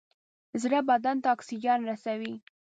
زړه بدن ته اکسیجن رسوي.